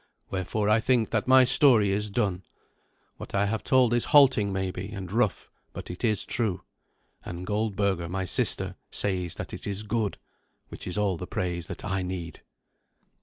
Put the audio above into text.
Wherefore I think that my story is done. What I have told is halting maybe, and rough, but it is true. And Goldberga, my sister, says that it is good. Which is all the praise that I need.